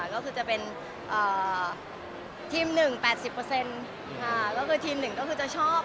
ก็คือจะเป็นทีม๑๘๐ก็คือทีมหนึ่งก็คือจะชอบ